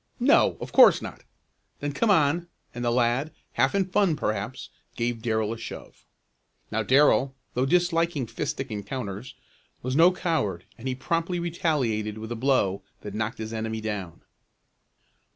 "No, of course not." "Then come on," and the lad, half in fun perhaps, gave Darrell a shove. Now Darrell, though disliking fistic encounters, was no coward and he promptly retaliated with a blow that knocked his enemy down.